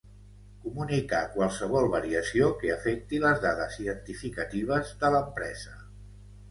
Comunicar qualsevol variació que afecti les dades identificatives de l'empresa.